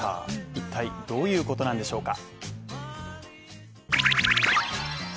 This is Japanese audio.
一体どういうことなんでしょうか。